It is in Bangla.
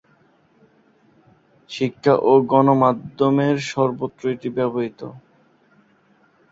শিক্ষা ও গণমাধ্যমের সর্বত্র এটি ব্যবহৃত।